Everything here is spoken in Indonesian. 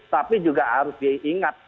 tapi juga harus diingat